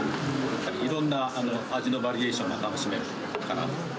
いろんな味のバリエーションが楽しめるかなと。